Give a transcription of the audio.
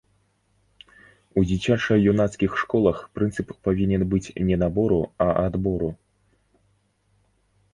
У дзіцяча-юнацкіх школах прынцып павінен быць не набору, а адбору.